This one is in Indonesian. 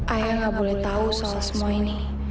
ayah nggak boleh tahu soal semua ini